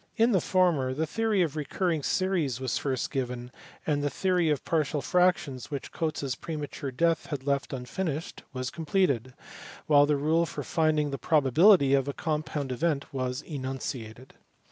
In the former the theory of recurring series was first given, and the theory of partial fractions which Cotes s premature death had left unfinished was completed, while the rule for finding the probability of a compound event was enunciated.